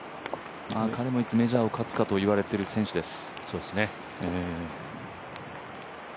彼もいつメジャーを勝つかといわれている選手です。